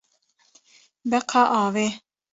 Beqa avê